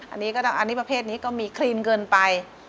อันนี้ประเภทนี้ก็มีกลีนเกินไป